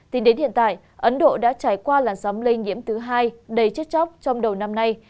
tính đến hiện tại ấn độ đã trải qua làn sóng lây nhiễm thứ hai đầy chết chóc trong đầu năm nay